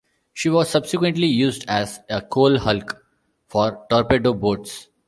She was subsequently used as a coal hulk for torpedo boats.